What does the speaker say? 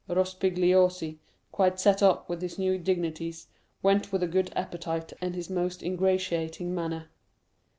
Rospigliosi, quite set up with his new dignities, went with a good appetite and his most ingratiating manner.